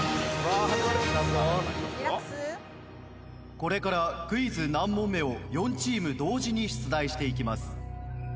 これからクイズ何問目？を４チーム同時に出題していきます。